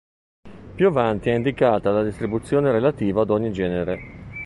Più avanti è indicata la distribuzione relative ad ogni genere.